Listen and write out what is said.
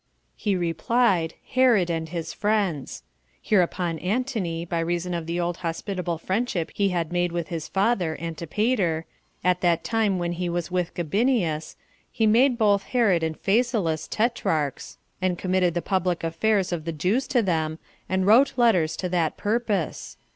He replied, Herod and his friends. Hereupon Antony, by reason of the old hospitable friendship he had made with his father [Antipater], at that time when he was with Gabinius, he made both Herod and Phasaelus tetrarchs, and committed the public affairs of the Jews to them, and wrote letters to that purpose.